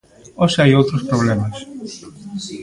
Hoxe hai outros problemas.